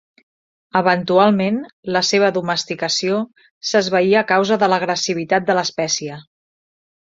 Eventualment, la seva domesticació s'esvaí a causa de l'agressivitat de l'espècie.